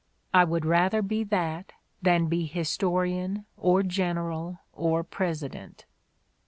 I would rather be that than be Historian or General or President."